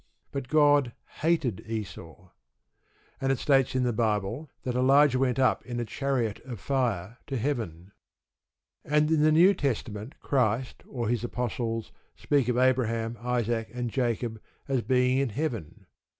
But God hated Esau. And it states in the Bible that Elijah went up in a chariot of fire to heaven. And in the New Testament Christ or His apostles speak of Abraham, Isaac, and Jacob as being in heaven.